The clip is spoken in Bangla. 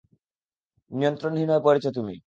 নিয়ন্ত্রণহীন হয়ে পড়েছ তুমি।